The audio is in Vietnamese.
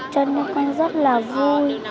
cho nên con rất là vui